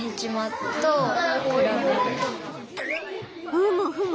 ふむふむ。